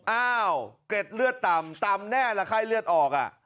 อ้าวเกร็ดเลือดต่ำต่ำแน่ละไข้เลือดออก